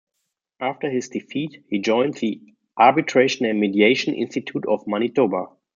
After his defeat, he joined the "Arbitration and Mediation Institute of Manitoba".